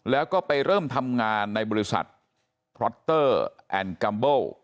แล้วก็ไปเริ่มทำงานในบริษัทพล็อตเตอร์แอนด์กัมเบิ้ล